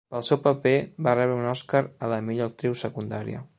Pel seu paper va rebre un Oscar a la millor actriu secundària.